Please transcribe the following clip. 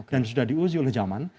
dan sudah diuji oleh zaman